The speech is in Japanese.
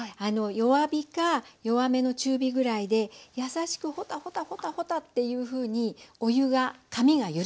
弱火か弱めの中火ぐらいで優しくほたほたほたほたっていうふうにお湯が紙が揺れる感じ。